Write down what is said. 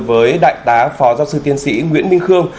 với đại tá phó giáo sư tiên sĩ nguyễn minh khương